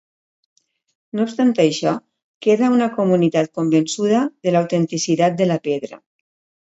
No obstant això, queda una comunitat convençuda de l'autenticitat de la pedra.